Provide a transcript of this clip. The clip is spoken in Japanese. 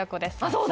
そう